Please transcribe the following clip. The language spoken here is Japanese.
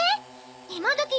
今どき